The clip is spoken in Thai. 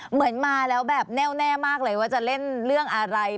เหมือนมาแล้วแบบแน่วแน่มากเลยว่าจะเล่นเรื่องอะไร